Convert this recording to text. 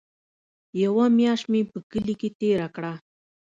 يوه مياشت مې په کلي کښې تېره کړه.